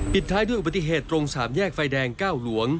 ปิดท้ายด้วยปฏิเหตุตรงสามแยกไฟแดงเก้าหลวง